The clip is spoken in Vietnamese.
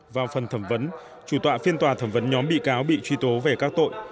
vào phần thẩm vấn chủ tọa phiên tòa thẩm vấn nhóm bị cáo bị truy tố về các tội